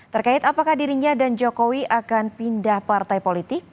terkait apakah dirinya dan jokowi akan pindah partai politik